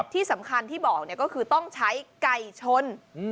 ที่สำคัญที่บอกก็คือต้องใช้ไก่ชน